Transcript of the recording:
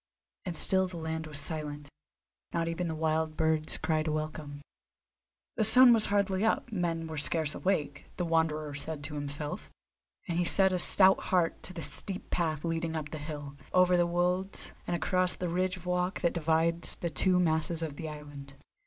And still the land was silent; not even the wild birds cried a welcome. The sun was hardly up, men were scarce awake, the Wanderer said to himself; and he set a stout heart to the steep path leading up the hill, over the wolds, and across the ridge of rock that divides the two masses of the island.